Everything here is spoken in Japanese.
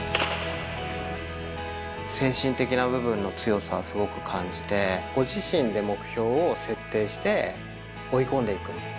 精神的な部分の強さをすごく感じて、ご自身で目標を設定して、追い込んでいく。